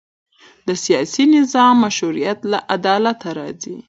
د سیاسي نظام مشروعیت له عدالت راځي